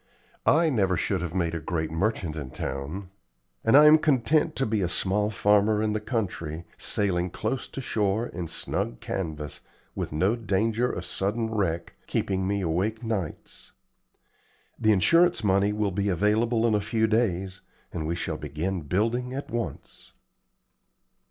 I never should have made a great merchant in town, and I am content to be a small farmer in the country, sailing close to shore in snug canvas, with no danger of sudden wreck keeping me awake nights. The insurance money will be available in a few days, and we shall begin building at once."